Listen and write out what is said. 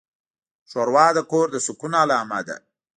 ښوروا د کور د سکون علامه ده.